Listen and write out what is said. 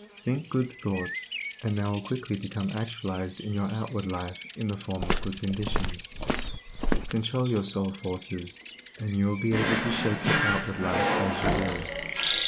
Think good thoughts, and they will quickly become actualized in your outward life in the form of good conditions. Control your soul forces, and you will be able to shape your outward life as you will.